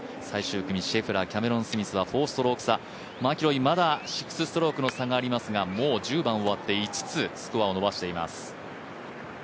最終組、シェフラー、キャメロン・スミスは４ストローク差、マキロイ、まだ６ストロークの差がありますがもう１０番終わって５つスコアを伸ばしています。